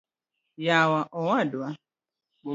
yawa owadwa